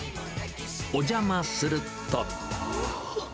お邪魔すると。